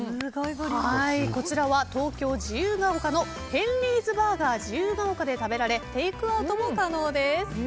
こちらは東京・自由が丘のヘンリーズバーガー自由が丘で食べられテイクアウトも可能です。